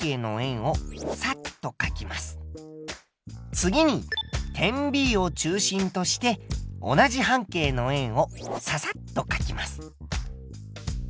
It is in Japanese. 次に点Ｂを中心として同じ半径の円をササッとかきます。